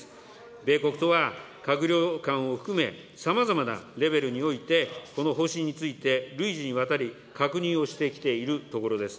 米国とは閣僚間を含め、さまざまなレベルにおいて、この方針について累次にわたり、確認をしてきているところです。